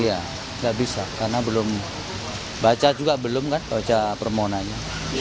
iya nggak bisa karena belum baca juga belum kan baca permohonannya